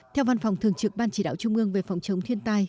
theo văn phòng thường trực ban chỉ đạo trung ương về phòng chống thiên tai